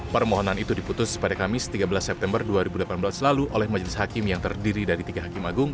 permohonan itu diputus pada kamis tiga belas september dua ribu delapan belas lalu oleh majelis hakim yang terdiri dari tiga hakim agung